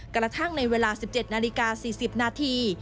กระทั่งในเวลา๑๗นาฬิกา๔๐นาที